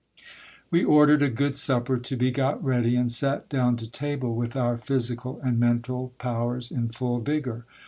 We ordered a good supper to be got ready, and sat down to table with our physical and mental powers in full vigour.